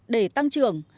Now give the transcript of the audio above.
để tăng trưởng